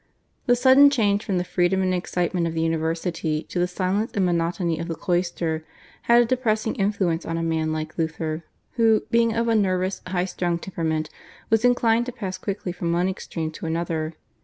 " The sudden change from the freedom and excitement of the university to the silence and monotony of the cloister had a depressing influence on a man like Luther, who, being of a nervous, highly strung temperament, was inclined to pass quickly from one extreme to another.